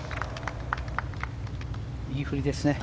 いい振りですね。